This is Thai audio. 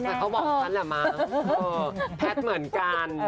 เขาบอกแฟนแหละมาแพทเหมือนกัน